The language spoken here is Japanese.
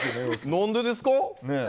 何でですか？